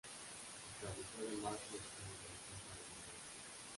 Se estableció además un examen de admisión para el ingreso.